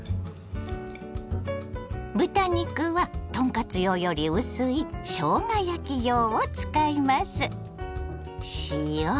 豚肉は豚カツ用より薄いしょうが焼き用を使います。